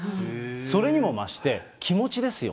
それにもまして、気持ちですよ。